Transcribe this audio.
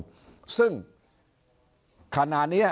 ที่ต้องการเห็นการแก้รัฐมนุน